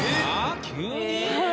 急に？